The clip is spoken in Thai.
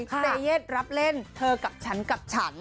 เตเย่นรับเล่นเธอกับฉันกับฉัน